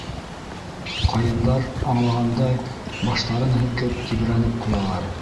Ҡайындар, аңлағандай, баштарын һелкеп, тибрәнеп ҡуялар.